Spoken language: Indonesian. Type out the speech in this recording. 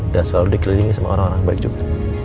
dan selalu dikelilingi sama orang orang baik juga